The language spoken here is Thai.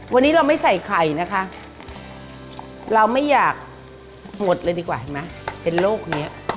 วันนี้เราไม่ใส่ไข่นะคะเราไม่อยากหมดเลยดีกว่าเห็นไหมเป็นโรคนี้